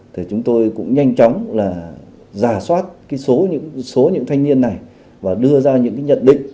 thì chúng tôi cũng nhanh chóng là giả soát số những thanh niên này và đưa ra những nhận định